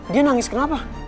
dia nangis kenapa